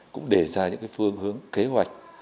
cũng để ra những cái phương hướng kế hoạch